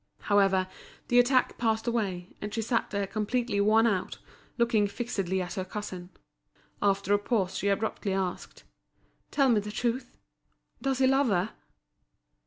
However, the attack passed away, and she sat there completely worn out, looking fixedly at her cousin. After a pause she abruptly asked: "Tell me the truth: does he love her?"